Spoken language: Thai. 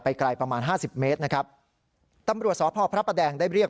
ไกลประมาณห้าสิบเมตรนะครับตำรวจสพพระประแดงได้เรียก